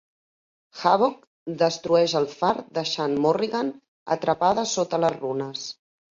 Havok destrueix el far deixant Morrigan atrapada sota les runes.